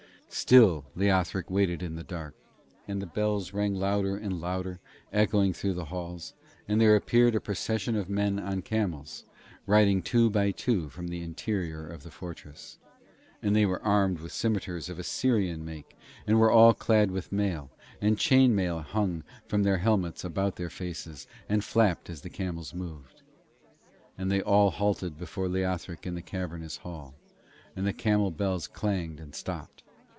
Still Leothric waited in the dark, and the bells rang louder and louder, echoing through the halls, and there appeared a procession of men on camels riding two by two from the interior of the fortress, and they were armed with scimitars of Assyrian make and were all clad with mail, and chain mail hung from their helmets about their faces, and flapped as the camels moved. And they all halted before Leothric in the cavernous hall, and the camel bells clanged and stopped.